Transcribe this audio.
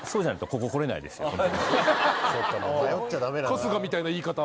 春日みたいな言い方。